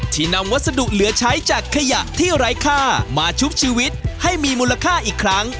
นำวัสดุเหลือใช้จากขยะที่ไร้ค่ามาชุบชีวิตให้มีมูลค่าอีกครั้ง